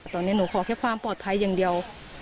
ตอนนี้หนูขอแค่ความปลอดภัยอย่างเดียว